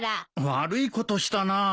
悪いことしたなぁ。